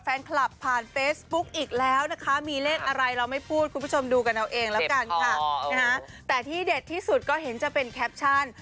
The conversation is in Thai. แปลว่าอะไรอะอ้องต้องแบบผ่องใจไงประสายศาสตร์